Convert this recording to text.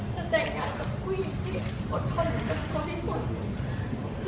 จะแต่งงานกับผู้หญิงสิอดทนอดทนที่สุด